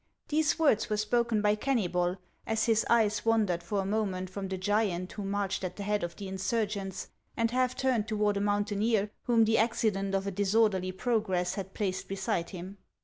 These words were spoken by Kennyhol, as his eyes wandered for a moment from the giant who marched at the head of the insurgents, and half turned toward a mountaineer whom the accident of a disorderly progress had placed beside him.